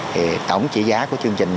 thì tổng chỉ giá của chương trình